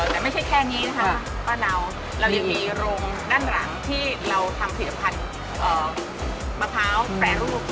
แต่ไม่ใช่แค่นี้นะคะป้าเนาเรายังมีโรงด้านหลังที่เราทำผลิตภัณฑ์มะพร้าวแปรรูป